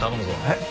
えっ？